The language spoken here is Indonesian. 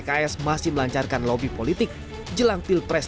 pks masih melancarkan lobby politik jelang pilpres dua ribu sembilan belas